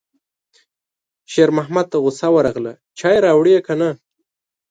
شېرمحمد ته غوسه ورغله: چای راوړې که نه